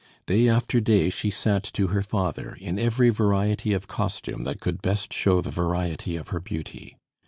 Day after day she sat to her father, in every variety of costume that could best show the variety of her beauty.